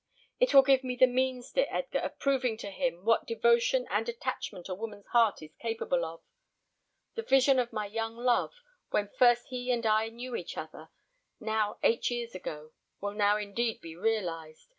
"It will give me the means, dear Edgar, of proving to him what devotion and attachment a woman's heart is capable of. The vision of my young love, when first he and I knew each other, now eight years ago, will now indeed be realized.